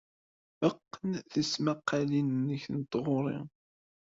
Qqen tismaqqalin-nnek n tɣuri.